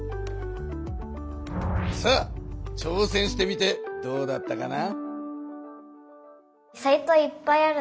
さあちょうせんしてみてどうだったかな？